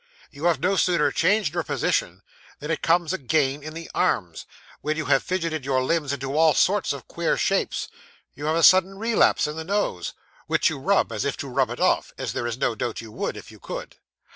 You have no sooner changed your position, than it comes again in the arms; when you have fidgeted your limbs into all sorts of queer shapes, you have a sudden relapse in the nose, which you rub as if to rub it off as there is no doubt you would, if you could.